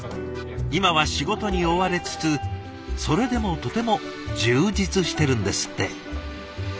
今は仕事に追われつつそれでもとても充実してるんですって。